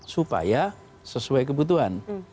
supaya sesuai kebutuhan